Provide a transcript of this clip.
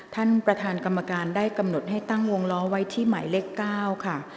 ท่านประธานกรรมการได้กำหนดให้ตั้งวงล้อไว้ที่หมายเลข๙ค่ะ